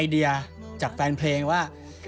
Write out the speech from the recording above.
เดียจากแฟนเพลงว่า